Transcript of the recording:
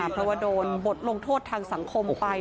เพราะว่าโดนบทลงโทษทางสังคมไป